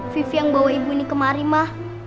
vivi yang bawa ibu ini kemari mah